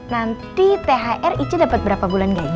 nanti thr ica dapat berapa bulan gaji